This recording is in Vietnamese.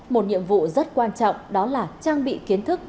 một nhiệm vụ rất quan trọng đó là trang bị kiến thức